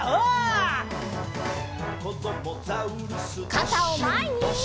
かたをまえに！